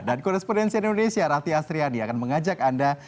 dan korespondensi indonesia rati asriani akan mengajak anda